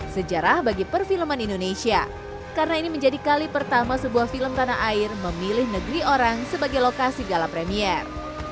sejarah bagi perfilman indonesia karena ini menjadi kali pertama sebuah film tanah air memilih negeri orang sebagai lokasi gala premier